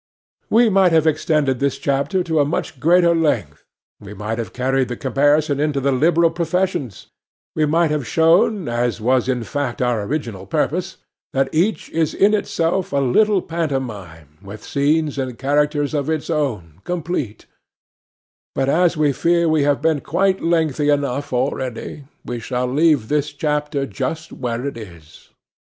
We might have extended this chapter to a much greater length—we might have carried the comparison into the liberal professions—we might have shown, as was in fact our original purpose, that each is in itself a little pantomime with scenes and characters of its own, complete; but, as we fear we have been quite lengthy enough already, we shall leave this chapter just where it is.